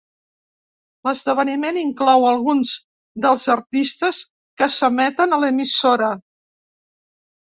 L'esdeveniment inclou alguns dels artistes que s'emeten a l'emissora.